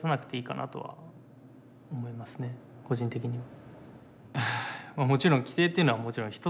個人的には。